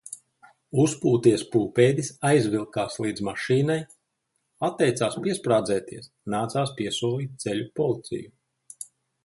Uzpūties pūpēdis aizvilkās līdz mašīnai. Atteicās piesprādzēties, nācās piesolīt ceļu policiju.